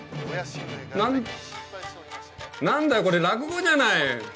何何だよこれ落語じゃない。